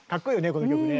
この曲ね。